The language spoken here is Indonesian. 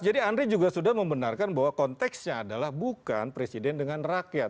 jadi andri juga sudah membenarkan bahwa konteksnya adalah bukan presiden dengan rakyat